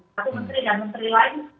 satu menteri dan menteri lain